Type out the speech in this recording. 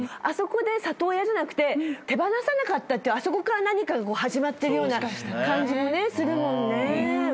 あそこで里親じゃなくて手放さなかったってあそこから何かが始まってるような感じも。